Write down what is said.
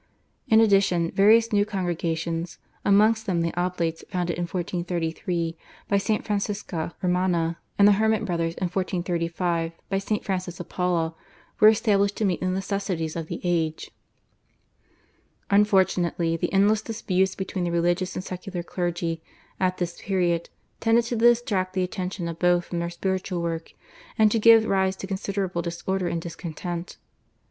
In addition, various new congregations, amongst them the Oblates founded in 1433 by St. Francisca Romana, and the Hermit Brothers in 1435 by St. Francis of Paula, were established to meet the necessities of the age. Unfortunately the endless disputes between the religious and secular clergy at this period tended to distract the attention of both from their spiritual work, and to give rise to considerable disorder and discontent.